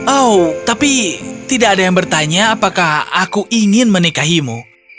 oh tapi tidak ada yang bertanya apakah aku ingin menikahimu